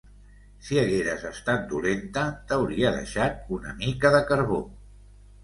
Si hagueres estat dolenta, t’hauria deixat una mica de carbó.